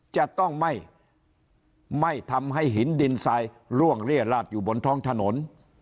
จะต้องไม่ทำให้หินดินทรายล่วงเรียดลาดอยู่บนท้องถนน